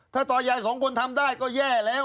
ถ้าต่อยายสองคนทำได้ก็แย่แล้ว